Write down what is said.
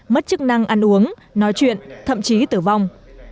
mất chức năng ăn uống nói chuyện thậm chí tử vong